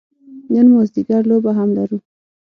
نن مازدیګر لوبه هم لرو.